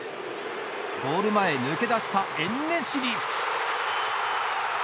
ゴール前、抜け出したエンネシリ。